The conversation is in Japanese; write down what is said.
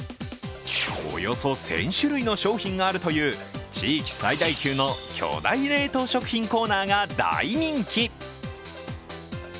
およそ１０００種類の商品があるという地域最大級の巨大冷凍食品コーナーが大人気。